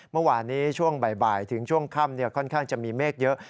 เมื่อวานนี้ช่วงบ่ายถึงช่วงค่ำค่อนข้างจะมีเมฆเยอะ